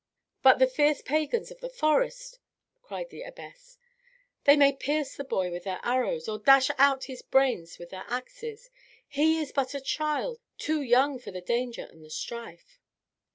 "But the fierce pagans of the forest," cried the abbess, "they may pierce the boy with their arrows, or dash out his brains with their axes. He is but a child, too young for the danger and the strife."